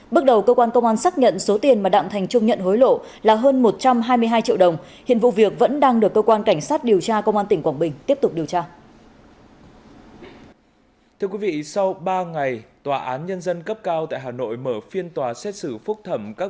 bước đầu cơ quan công an xác nhận số tiền mà đạng thành trung nhận hối lộ là hơn một trăm hai mươi hai triệu đồng hiện vụ việc vẫn đang được cơ quan cảnh sát điều tra công an tỉnh quảng bình tiếp tục điều tra